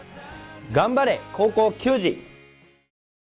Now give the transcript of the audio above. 頑張れ、高校球児！